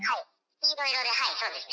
☎黄色い色ではいそうですね